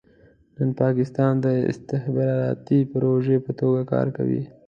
نن پاکستان د استخباراتي پروژې په توګه کار کوي.